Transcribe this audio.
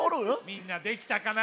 みんなできたかな？